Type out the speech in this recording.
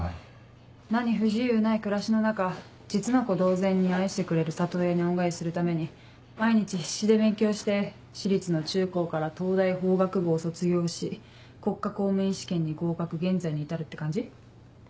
何不自由ない暮らしの中実の子同然に愛してくれる里親に恩返しするために毎日必死で勉強して私立の中高から東大法学部を卒業し国家公務員試験に合格現在に至るって感じ？